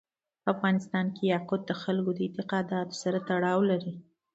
په افغانستان کې یاقوت د خلکو د اعتقاداتو سره تړاو لري.